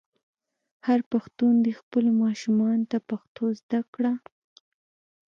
هر پښتون دې خپلو ماشومانو ته پښتو زده کړه.